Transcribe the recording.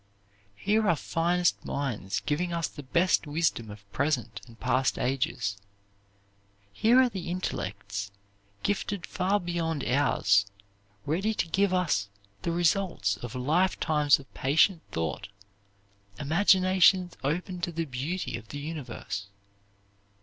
Here are finest minds giving us the best wisdom of present and past ages; here are the intellects gifted far beyond ours, ready to give us the results of lifetimes of patient thought, imaginations open to the beauty of the universe."